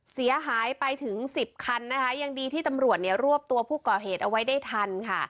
เสียหายไปถึงสิบคันนะคะยังดีที่ตำรวจเนี่ยรวบตัวผู้ก่อเหตุเอาไว้ได้ทันค่ะ